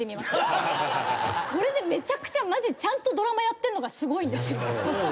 これでめちゃくちゃちゃんとドラマやってんのがすごい。